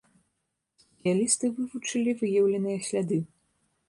Спецыялісты вывучылі выяўленыя сляды.